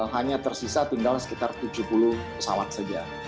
hanya tersisa tinggal sekitar tujuh puluh pesawat saja